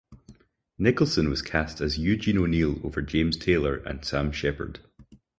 Nicholson was cast as Eugene O'Neill over James Taylor and Sam Shepard.